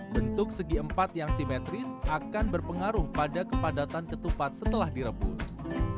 bentuk segi empat yang simetris akan berpengaruh pada kepadatan ketupat setelah direbus